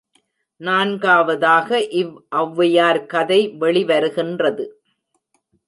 நான்காவதாக இவ் ஒளவையார் கதை வெளி வருகின்றது.